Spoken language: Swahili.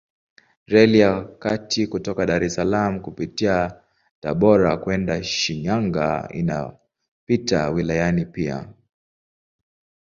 Reli ya kati kutoka Dar es Salaam kupitia Tabora kwenda Shinyanga inapita wilayani pia.